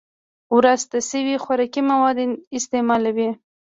وراسته شوي خوراکي مواد استعمالوي